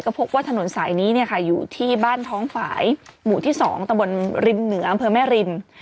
พบว่าถนนสายนี้เนี่ยค่ะอยู่ที่บ้านท้องฝ่ายหมู่ที่๒ตะบนริมเหนืออำเภอแม่ริม